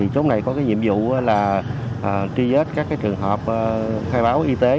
chốt này có nhiệm vụ tri vết các trường hợp khai báo y tế